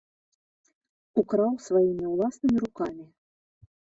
Украў сваімі ўласнымі рукамі.